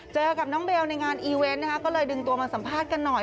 เจอกับน้องเบลในงานอีเวนต์นะคะก็เลยดึงตัวมาสัมภาษณ์กันหน่อย